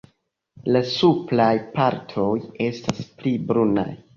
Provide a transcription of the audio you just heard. La supraj partoj estas pli brunaj.